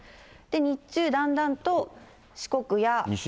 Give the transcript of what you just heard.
日中、だんだんと四国や。